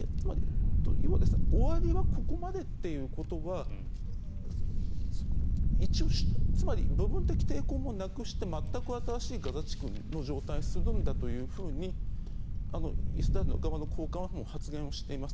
要は終わりはここまでということはつまり部分的抵抗もなくして全く新しいガザ地区にするんだとイスラエル側の高官は発言をしています。